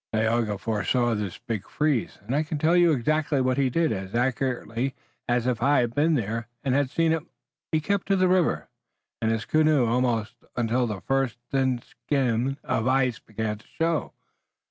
Tayoga foresaw this big freeze, and I can tell you exactly what he did as accurately as if I had been there and had seen it. He kept to the river and his canoe almost until the first thin skim of ice began to show.